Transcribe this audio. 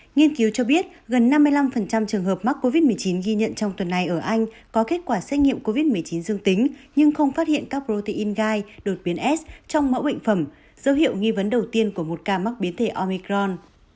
nghiên cứu cho biết gần năm mươi năm trường hợp mắc covid một mươi chín ghi nhận trong tuần này ở anh có kết quả xét nghiệm covid một mươi chín dương tính nhưng không phát hiện các protein gai đột biến s trong mẫu bệnh phẩm dấu hiệu nghi vấn đầu tiên của một ca mắc biến thể omicron